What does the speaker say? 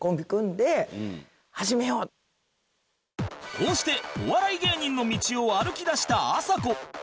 こうしてお笑い芸人の道を歩きだしたあさこ